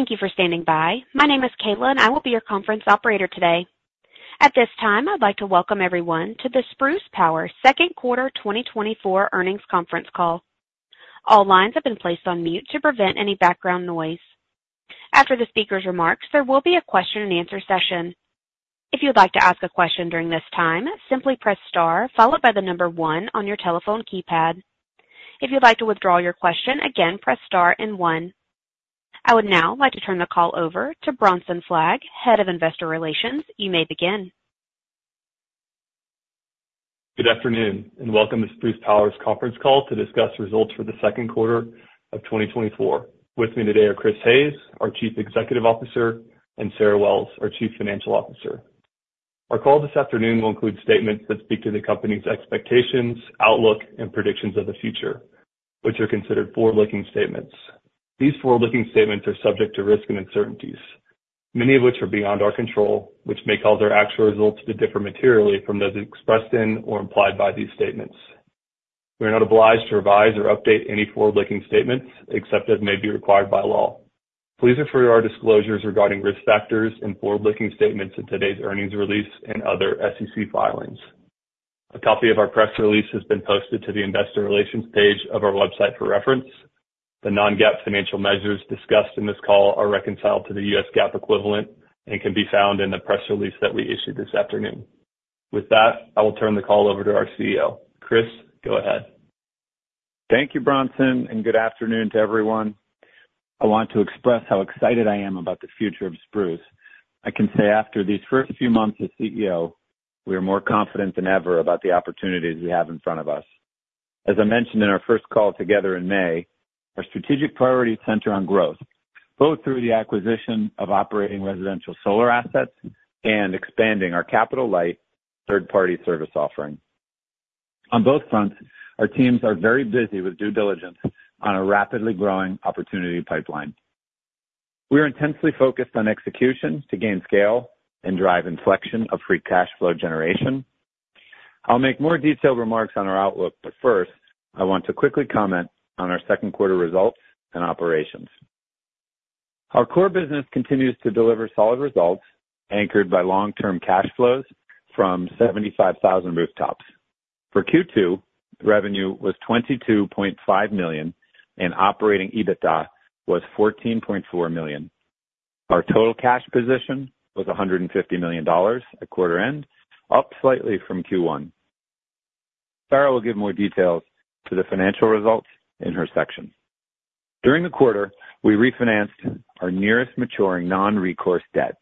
Thank you for standing by. My name is Kayla, and I will be your conference operator today. At this time, I'd like to welcome everyone to the Spruce Power Second Quarter 2024 Earnings Conference Call. All lines have been placed on mute to prevent any background noise. After the speaker's remarks, there will be a question-and-answer session. If you'd like to ask a question during this time, simply press star, followed by the number one on your telephone keypad. If you'd like to withdraw your question again, press star and one. I would now like to turn the call over to Bronson Fleig, Head of Investor Relations. You may begin. Good afternoon, and welcome to Spruce Power's conference call to discuss results for the second quarter of 2024. With me today are Chris Hayes, our Chief Executive Officer, and Sarah Wells, our Chief Financial Officer. Our call this afternoon will include statements that speak to the company's expectations, outlook, and predictions of the future, which are considered forward-looking statements. These forward-looking statements are subject to risks and uncertainties, many of which are beyond our control, which may cause our actual results to differ materially from those expressed in or implied by these statements. We are not obliged to revise or update any forward-looking statements except as may be required by law. Please refer to our disclosures regarding risk factors and forward-looking statements in today's earnings release and other SEC filings. A copy of our press release has been posted to the investor relations page of our website for reference. The Non-GAAP financial measures discussed in this call are reconciled to the US GAAP equivalent and can be found in the press release that we issued this afternoon. With that, I will turn the call over to our CEO. Chris, go ahead. Thank you, Bronson, and good afternoon to everyone. I want to express how excited I am about the future of Spruce. I can say after these first few months as CEO, we are more confident than ever about the opportunities we have in front of us. As I mentioned in our first call together in May, our strategic priorities center on growth, both through the acquisition of operating residential solar assets and expanding our capital-light third-party service offering. On both fronts, our teams are very busy with due diligence on a rapidly growing opportunity pipeline. We are intensely focused on execution to gain scale and drive inflection of free cash flow generation. I'll make more detailed remarks on our outlook, but first, I want to quickly comment on our second quarter results and operations. Our core business continues to deliver solid results, anchored by long-term cash flows from 75,000 rooftops. For Q2, revenue was $22.5 million, and Operating EBITDA was $14.4 million. Our total cash position was $150 million at quarter end, up slightly from Q1. Sarah will give more details to the financial results in her section. During the quarter, we refinanced our nearest maturing non-recourse debt,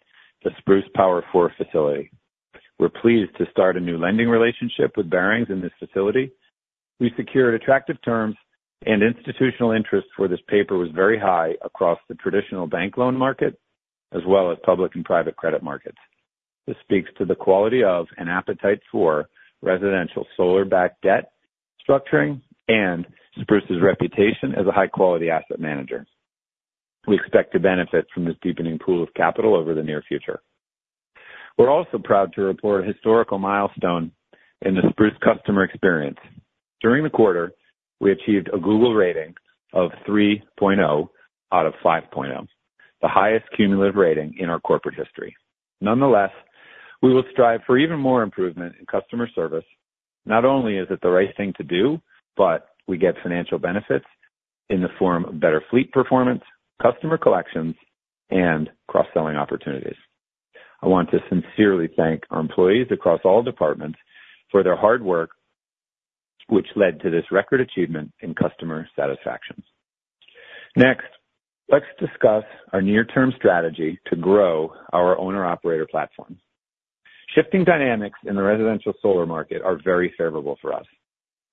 the Spruce Power 4 facility. We're pleased to start a new lending relationship with Barings in this facility. We secured attractive terms, and institutional interest for this paper was very high across the traditional bank loan market, as well as public and private credit markets. This speaks to the quality of and appetite for residential solar-backed debt structuring and Spruce's reputation as a high-quality asset manager. We expect to benefit from this deepening pool of capital over the near future. We're also proud to report a historical milestone in the Spruce customer experience. During the quarter, we achieved a Google rating of 3.0 out of 5.0, the highest cumulative rating in our corporate history. Nonetheless, we will strive for even more improvement in customer service. Not only is it the right thing to do, but we get financial benefits in the form of better fleet performance, customer collections, and cross-selling opportunities. I want to sincerely thank our employees across all departments for their hard work, which led to this record achievement in customer satisfaction. Next, let's discuss our near-term strategy to grow our owner-operator platform. Shifting dynamics in the residential solar market are very favorable for us.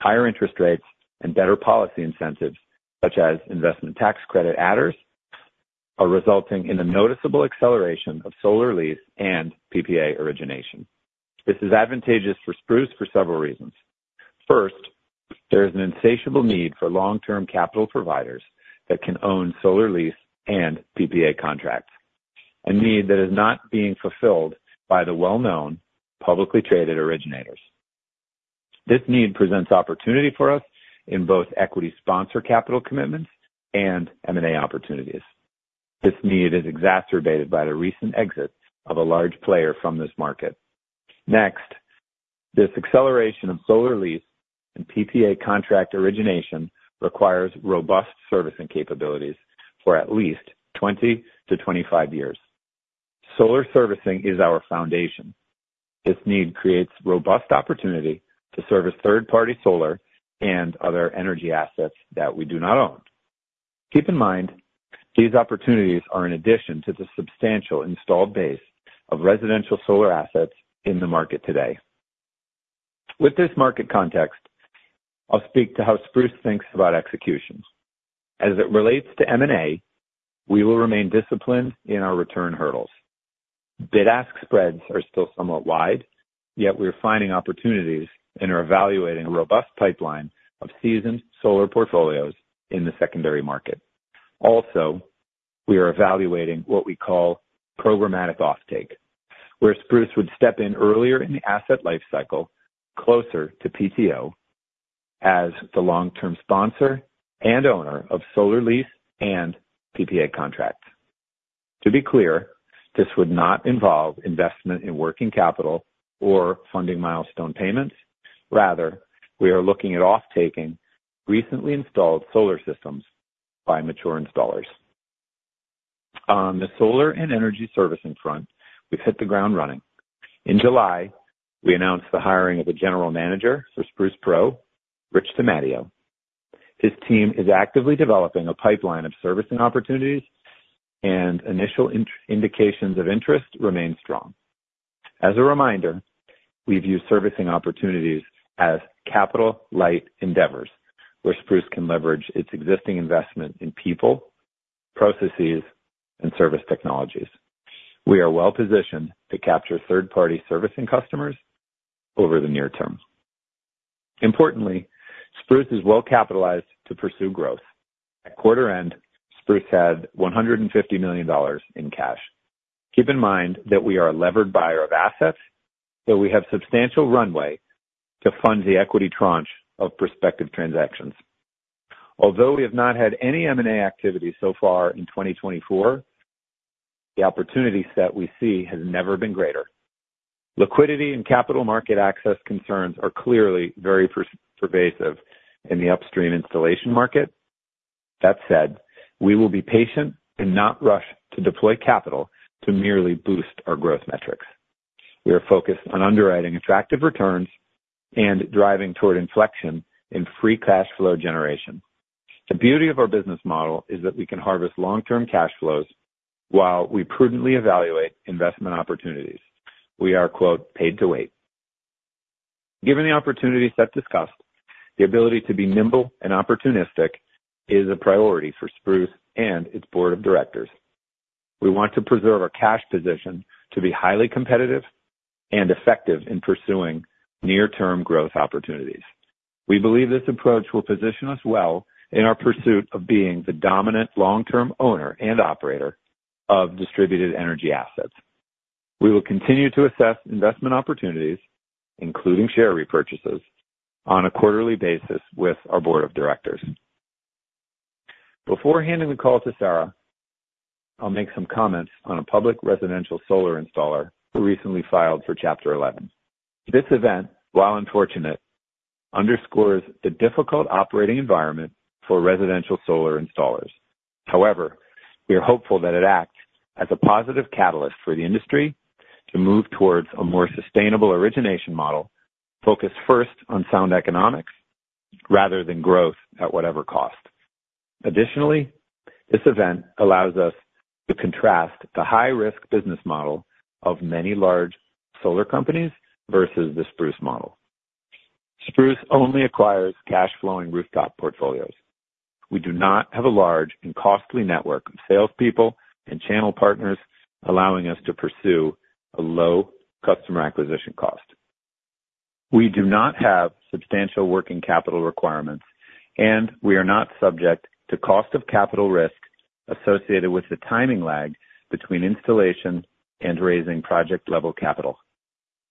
Higher interest rates and better policy incentives, such as Investment Tax Credit adders, are resulting in a noticeable acceleration of solar lease and PPA origination. This is advantageous for Spruce for several reasons. First, there is an insatiable need for long-term capital providers that can own solar lease and PPA contracts, a need that is not being fulfilled by the well-known, publicly traded originators. This need presents opportunity for us in both equity sponsor capital commitments and M&A opportunities. This need is exacerbated by the recent exit of a large player from this market. Next, this acceleration of solar lease and PPA contract origination requires robust servicing capabilities for at least 20 to 25 years. Solar servicing is our foundation. This need creates robust opportunity to service third-party solar and other energy assets that we do not own. Keep in mind, these opportunities are in addition to the substantial installed base of residential solar assets in the market today. With this market context, I'll speak to how Spruce thinks about execution. As it relates to M&A, we will remain disciplined in our return hurdles. Bid-ask spreads are still somewhat wide, yet we are finding opportunities and are evaluating a robust pipeline of seasoned solar portfolios in the secondary market. Also, we are evaluating what we call programmatic offtake, where Spruce would step in earlier in the asset life cycle, closer to PTO, as the long-term sponsor and owner of solar lease and PPA contracts. To be clear, this would not involve investment in working capital or funding milestone payments. Rather, we are looking at off-taking recently installed solar systems by mature installers. On the solar and energy servicing front, we've hit the ground running. In July, we announced the hiring of a general manager for Spruce Pro, Rich DiMatteo. His team is actively developing a pipeline of servicing opportunities, and initial indications of interest remain strong. As a reminder, we view servicing opportunities as capital-light endeavors, where Spruce can leverage its existing investment in people, processes, and service technologies. We are well-positioned to capture third-party servicing customers over the near term. Importantly, Spruce is well capitalized to pursue growth. At quarter end, Spruce had $150 million in cash. Keep in mind that we are a levered buyer of assets, so we have substantial runway to fund the equity tranche of prospective transactions. Although we have not had any M&A activity so far in 2024, the opportunity set we see has never been greater. Liquidity and capital market access concerns are clearly very pervasive in the upstream installation market. That said, we will be patient and not rush to deploy capital to merely boost our growth metrics. We are focused on underwriting attractive returns and driving toward inflection in free cash flow generation. The beauty of our business model is that we can harvest long-term cash flows while we prudently evaluate investment opportunities. We are, quote, "paid to wait." Given the opportunity set discussed, the ability to be nimble and opportunistic is a priority for Spruce and its board of directors. We want to preserve our cash position to be highly competitive and effective in pursuing near-term growth opportunities. We believe this approach will position us well in our pursuit of being the dominant long-term owner and operator of distributed energy assets. We will continue to assess investment opportunities, including share repurchases, on a quarterly basis with our board of directors. Before handing the call to Sarah, I'll make some comments on a public residential solar installer who recently filed for Chapter 11. This event, while unfortunate, underscores the difficult operating environment for residential solar installers. However, we are hopeful that it acts as a positive catalyst for the industry to move towards a more sustainable origination model, focused first on sound economics rather than growth at whatever cost. Additionally, this event allows us to contrast the high-risk business model of many large solar companies versus the Spruce model. Spruce only acquires cash-flowing rooftop portfolios. We do not have a large and costly network of salespeople and channel partners, allowing us to pursue a low customer acquisition cost. We do not have substantial working capital requirements, and we are not subject to cost of capital risk associated with the timing lag between installation and raising project-level capital.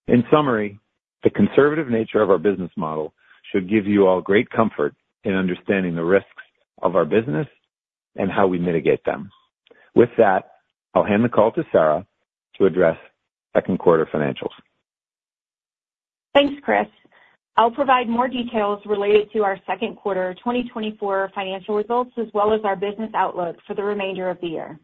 In summary, the conservative nature of our business model should give you all great comfort in understanding the risks of our business and how we mitigate them. With that, I'll hand the call to Sarah to address second quarter financials. Thanks, Chris. I'll provide more details related to our second quarter 2024 financial results, as well as our business outlook for the remainder of the year.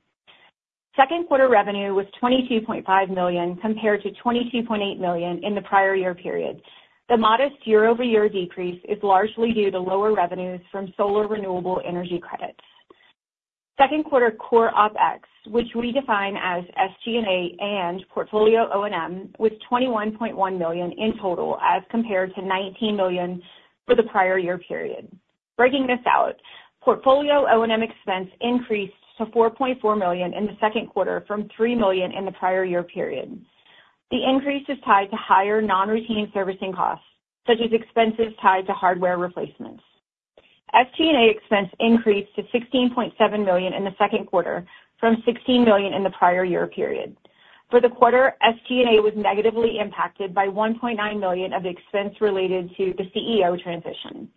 Second quarter revenue was $22.5 million, compared to $22.8 million in the prior year period. The modest year-over-year decrease is largely due to lower revenues from Solar Renewable Energy Credits. Second quarter core OpEx, which we define as SG&A and portfolio O&M, was $21.1 million in total, as compared to $19 million for the prior year period. Breaking this out, portfolio O&M expense increased to $4.4 million in the second quarter from $3 million in the prior year period. The increase is tied to higher non-routine servicing costs, such as expenses tied to hardware replacements. SG&A expense increased to $16.7 million in the second quarter from $16 million in the prior year period. For the quarter, SG&A was negatively impacted by $1.9 million of expense related to the CEO transition.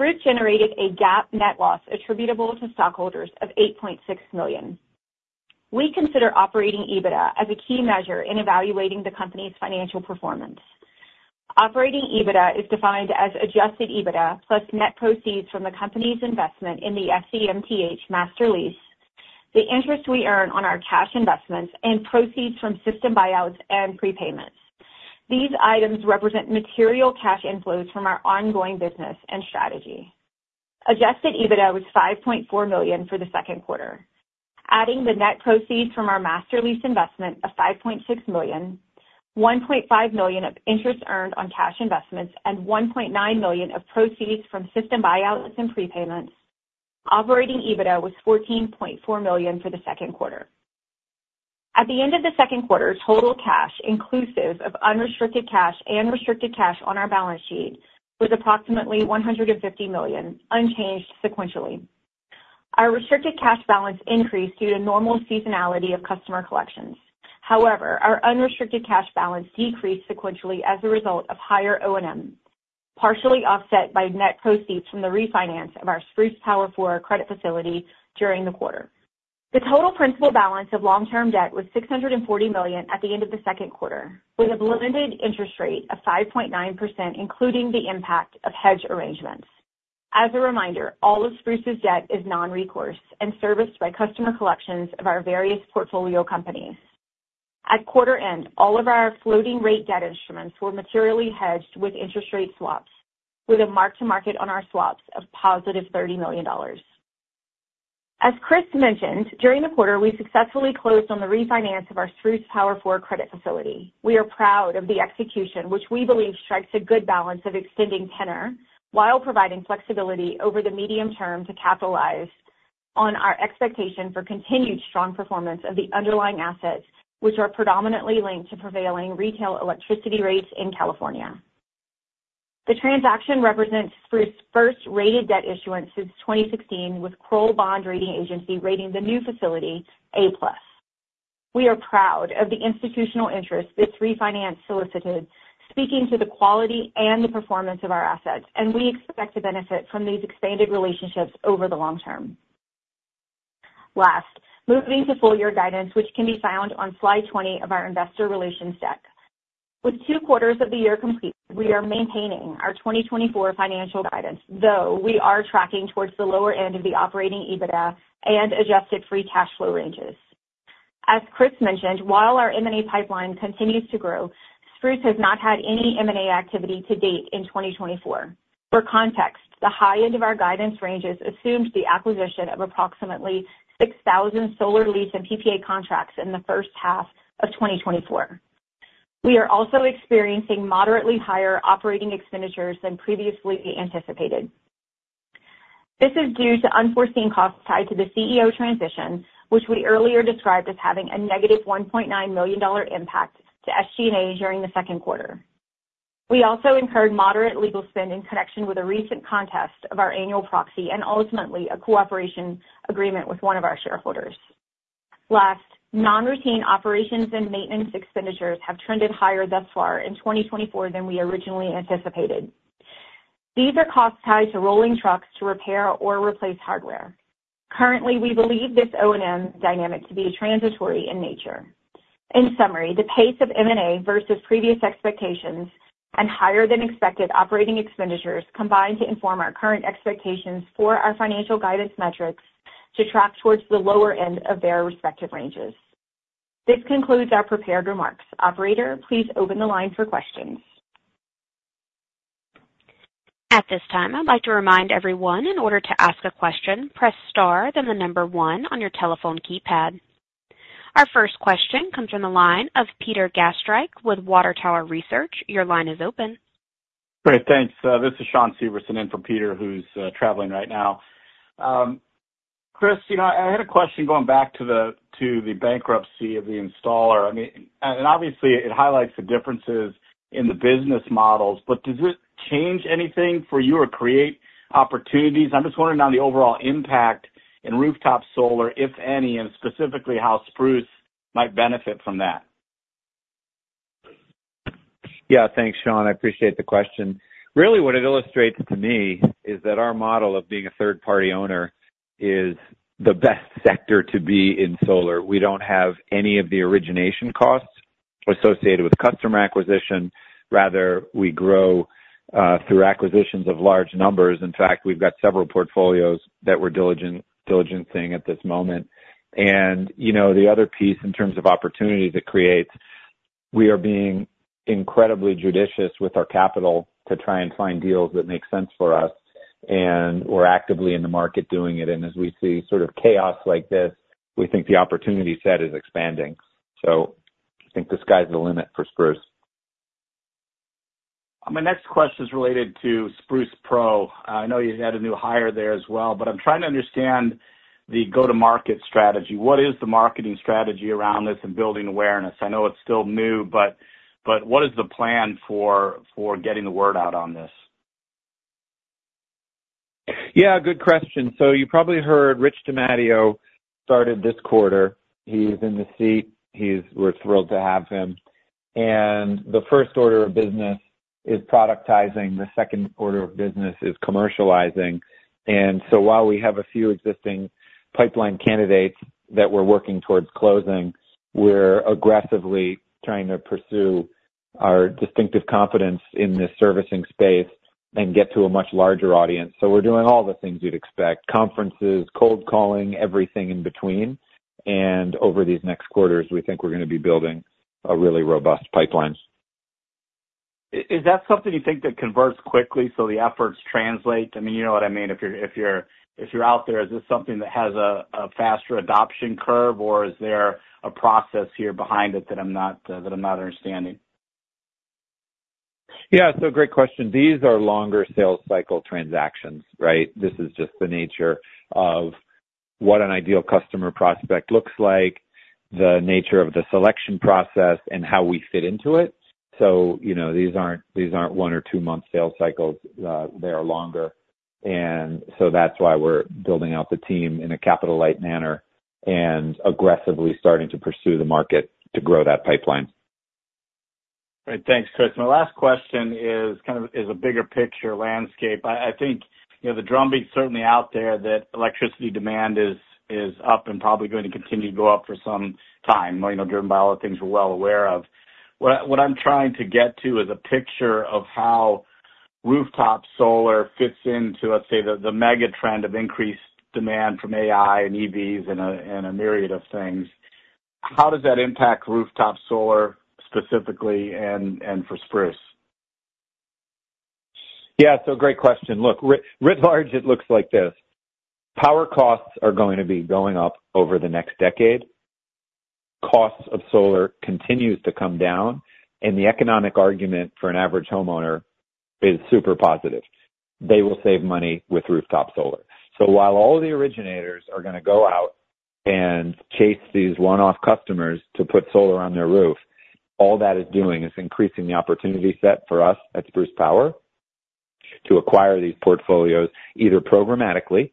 Spruce generated a GAAP net loss attributable to stockholders of $8.6 million. We consider Operating EBITDA as a key measure in evaluating the company's financial performance. Operating EBITDA is defined as adjusted EBITDA plus net proceeds from the company's investment in the SEMTH Master Lease, the interest we earn on our cash investments, and proceeds from system buyouts and prepayments. These items represent material cash inflows from our ongoing business and strategy. Adjusted EBITDA was $5.4 million for the second quarter. Adding the net proceeds from our master lease investment of $5.6 million, $1.5 million of interest earned on cash investments, and $1.9 million of proceeds from system buyouts and prepayments, Operating EBITDA was $14.4 million for the second quarter. At the end of the second quarter, total cash, inclusive of unrestricted cash and restricted cash on our balance sheet, was approximately $150 million, unchanged sequentially. Our restricted cash balance increased due to normal seasonality of customer collections. However, our unrestricted cash balance decreased sequentially as a result of higher O&M, partially offset by net proceeds from the refinance of our Spruce Power 4 credit facility during the quarter. The total principal balance of long-term debt was $640 million at the end of the second quarter, with a blended interest rate of 5.9%, including the impact of hedge arrangements. As a reminder, all of Spruce's debt is non-recourse and serviced by customer collections of our various portfolio companies. At quarter end, all of our floating rate debt instruments were materially hedged with interest rate swaps, with a mark-to-market on our swaps of positive $30 million. As Chris mentioned, during the quarter, we successfully closed on the refinance of our Spruce Power 4 credit facility. We are proud of the execution, which we believe strikes a good balance of extending tenor while providing flexibility over the medium term to capitalize on our expectation for continued strong performance of the underlying assets, which are predominantly linked to prevailing retail electricity rates in California. The transaction represents Spruce's first rated debt issuance since 2016, with Kroll Bond Rating Agency rating the new facility A+. We are proud of the institutional interest this refinance solicited, speaking to the quality and the performance of our assets, and we expect to benefit from these expanded relationships over the long term. Last, moving to full year guidance, which can be found on slide 20 of our investor relations deck. With two quarters of the year complete, we are maintaining our 2024 financial guidance, though we are tracking towards the lower end of the Operating EBITDA and adjusted free cash flow ranges. As Chris mentioned, while our M&A pipeline continues to grow, Spruce has not had any M&A activity to date in 2024. For context, the high end of our guidance ranges assumes the acquisition of approximately 6,000 solar lease and PPA contracts in the first half of 2024. We are also experiencing moderately higher operating expenditures than previously anticipated. This is due to unforeseen costs tied to the CEO transition, which we earlier described as having a negative $1.9 million impact to SG&A during the second quarter. We also incurred moderate legal spend in connection with a recent contest of our annual proxy and ultimately a cooperation agreement with one of our shareholders. Last, non-routine operations and maintenance expenditures have trended higher thus far in 2024 than we originally anticipated. These are costs tied to rolling trucks to repair or replace hardware. Currently, we believe this O&M dynamic to be transitory in nature. In summary, the pace of M&A versus previous expectations and higher than expected operating expenditures combine to inform our current expectations for our financial guidance metrics to track towards the lower end of their respective ranges. This concludes our prepared remarks. Operator, please open the line for questions. At this time, I'd like to remind everyone, in order to ask a question, press Star, then the number one on your telephone keypad. Our first question comes from the line of Peter Gastreich with Water Tower Research. Your line is open. Great, thanks. This is Shawn Severson in from Peter, who's traveling right now. Chris, you know, I had a question going back to the bankruptcy of the installer. I mean, and obviously, it highlights the differences in the business models, but does it change anything for you or create opportunities? I'm just wondering on the overall impact in rooftop solar, if any, and specifically how Spruce might benefit from that. Yeah, thanks, Shawn. I appreciate the question. Really, what it illustrates to me is that our model of being a third-party owner is the best sector to be in solar. We don't have any of the origination costs associated with customer acquisition. Rather, we grow through acquisitions of large numbers. In fact, we've got several portfolios that we're diligencing at this moment. And, you know, the other piece in terms of opportunity it creates, we are being incredibly judicious with our capital to try and find deals that make sense for us, and we're actively in the market doing it. And as we see sort of chaos like this, we think the opportunity set is expanding. So I think the sky's the limit for Spruce. My next question is related to Spruce Pro. I know you've had a new hire there as well, but I'm trying to understand the go-to-market strategy. What is the marketing strategy around this and building awareness? I know it's still new, but what is the plan for getting the word out on this? Yeah, good question. So you probably heard Rich DiMatteo started this quarter. He's in the seat. We're thrilled to have him. And the first order of business is productizing. The second order of business is commercializing. And so while we have a few existing pipeline candidates that we're working towards closing, we're aggressively trying to pursue our distinctive competence in this servicing space and get to a much larger audience. So we're doing all the things you'd expect, conferences, cold calling, everything in between. And over these next quarters, we think we're going to be building a really robust pipeline. Is that something you think that converts quickly so the efforts translate? I mean, you know what I mean? If you're out there, is this something that has a faster adoption curve, or is there a process here behind it that I'm not understanding? Yeah, so great question. These are longer sales cycle transactions, right? This is just the nature of what an ideal customer prospect looks like... the nature of the selection process and how we fit into it. So, you know, these aren't, these aren't one or 2 month sales cycles, they are longer. And so that's why we're building out the team in a capital-light manner and aggressively starting to pursue the market to grow that pipeline. Right. Thanks, Chris. My last question is kind of, is a bigger picture landscape. I think, you know, the drumbeat's certainly out there that electricity demand is up and probably going to continue to go up for some time, you know, driven by all the things we're well aware of. What I'm trying to get to is a picture of how rooftop solar fits into, let's say, the mega trend of increased demand from AI and EVs and a myriad of things. How does that impact rooftop solar specifically and for Spruce? Yeah, so great question. Look, writ large, it looks like this: Power costs are going to be going up over the next decade. Costs of solar continues to come down, and the economic argument for an average homeowner is super positive. They will save money with rooftop solar. So while all the originators are gonna go out and chase these 1 of customers to put solar on their roof, all that is doing is increasing the opportunity set for us at Spruce Power to acquire these portfolios, either programmatically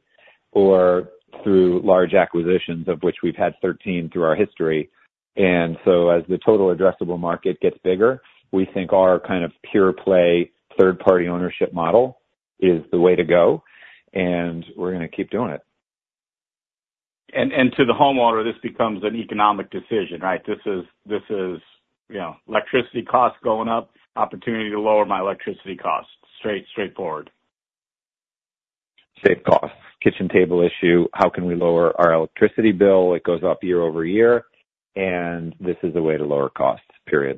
or through large acquisitions, of which we've had 13 through our history. And so as the total addressable market gets bigger, we think our kind of pure play, 3rd party ownership model is the way to go, and we're gonna keep doing it. To the homeowner, this becomes an economic decision, right? This is, you know, electricity costs going up, opportunity to lower my electricity costs. Straight forward. Save costs, kitchen table issue, how can we lower our electricity bill? It goes up year-over-year, and this is a way to lower costs, period.